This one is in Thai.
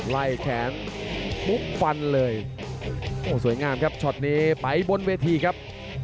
ไล่แขนปุ๊บฟันเลยโอ้สวยงามครับช็อตนี้ไปบนเวทีครับ